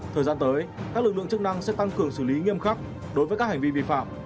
thời gian tới các lực lượng chức năng sẽ tăng cường xử lý nghiêm khắc đối với các hành vi vi phạm